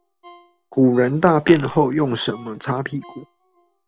古人大便後用什麼擦屁股？